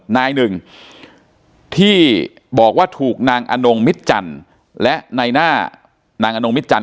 นายหนึ่งที่บอกว่าถูกนางอนงมิตจันทร์และนายหน้านางอนงมิตจันท